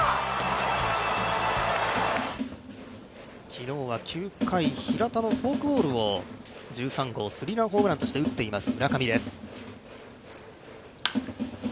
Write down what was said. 昨日は９回、平田のフォークボールを１３号スリーランホームランとして打っています。